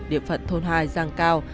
điệp phận thôn hai giang cao